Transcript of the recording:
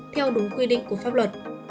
theo đúng quy định của pháp luật